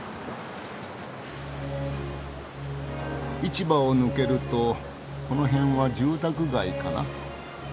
市場を抜けるとこの辺は住宅街かな。